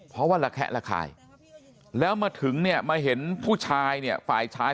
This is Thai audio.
เพราะว่าระแคะระคายแล้วมาถึงเนี่ยมาเห็นผู้ชายเนี่ยฝ่ายชาย